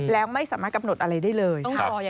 แล้วไม่สามารถกำหนดอะไรได้เลย